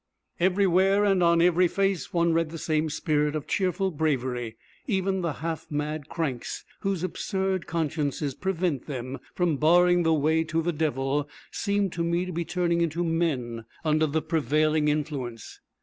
Everywhere and on every face one read the same spirit of cheerful bravery. Even the half mad cranks whose absurd consciences prevent them from barring the way to the devil seemed to me to be turning into men under the prevailing influence.